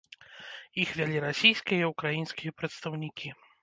Іх вялі расійскія і ўкраінскія прадстаўнікі.